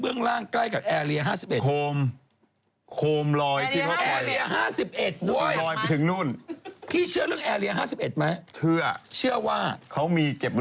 อืมกินกุ้ยไช่คุณมดดามไปก่อนเข้ารายการทุกทุกชมเร็ว